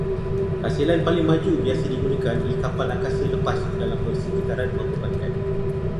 Hasilan paling maju biasa digunakan di kapal angkasa lepas dalam persekitaran membebankan